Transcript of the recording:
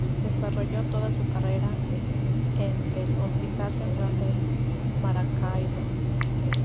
Desarrolló toda su carrera en del Hospital Central de Maracaibo.